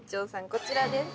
こちらです。